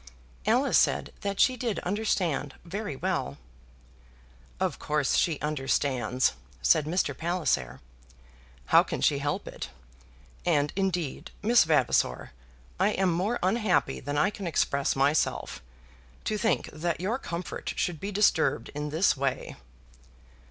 Alice said that she did understand very well. "Of course she understands," said Mr. Palliser. "How can she help it? And, indeed, Miss Vavasor, I am more unhappy than I can express myself, to think that your comfort should be disturbed in this way."